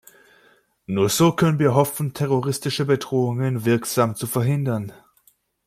Nur so können wir hoffen, terroristische Bedrohungen wirksam zu verhindern.